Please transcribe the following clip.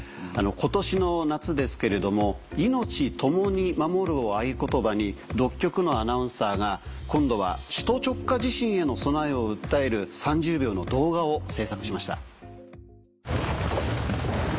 今年の夏ですけれども「＃いのちとも守る」を合言葉に６局のアナウンサーが今度は首都直下地震への備えを訴える３０秒の動画を制作しました。